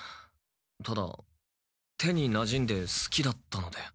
ただ手になじんですきだったので。